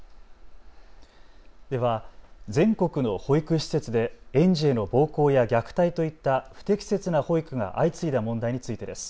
では全国の保育施設で園児への暴行や虐待といった不適切な保育が相次いだ問題についてです。